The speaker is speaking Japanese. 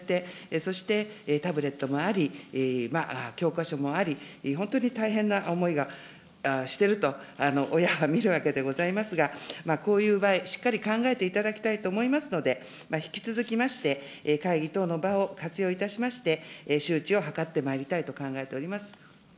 そして、タブレットもあり、教科書もあり、本当に大変な思いがしてると、親が見るわけでございますが、こういう場合、しっかり考えていただきたいと思いますので、引き続きまして会議等の場を活用いたしまして、周知を図ってまいりたいと考えております。